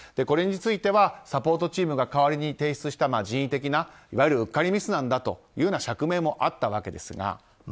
これについてはサポートチームが代わりに提出した人為的ないわゆるうっかりミスなんだという釈明もあったわけですが。